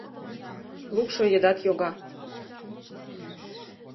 Лукшо едат йога